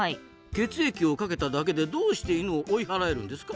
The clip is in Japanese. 血液をかけただけでどうしてイヌを追い払えるんですか？